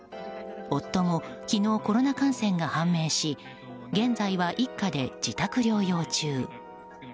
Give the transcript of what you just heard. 夫も昨日コロナ感染が判明し現在は一家で自宅療養中。